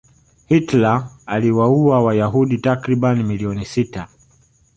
hitler aliwaua wayahudi takribani milioni sita